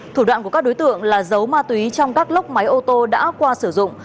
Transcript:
thủ đoạn của các đối tượng là giấu ma túy trong các lốc máy ô tô đã qua sử dụng